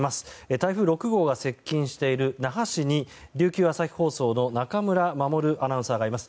台風６号が接近している那覇市に琉球朝日放送の中村守アナウンサーがいます。